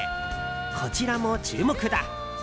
こちらも注目だ。